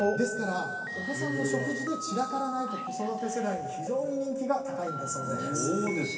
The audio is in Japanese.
お子さんの食事で散らからないと子育て世代に人気があるんです。